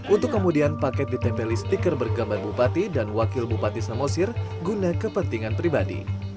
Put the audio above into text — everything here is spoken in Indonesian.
untuk kemudian paket ditempeli stiker bergambar bupati dan wakil bupati samosir guna kepentingan pribadi